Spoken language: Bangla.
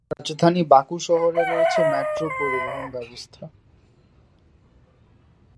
রাজধানী বাকু শহরে রয়েছে মেট্রো পরিবহন ব্যবস্থা।